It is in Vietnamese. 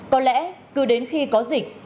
có lẽ cứ đến khi có dịch